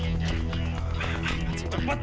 aduh terlalu banyak